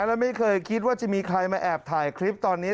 และไม่เคยคิดว่าจะมีใครมาแอบถ่ายคลิปตอนนี้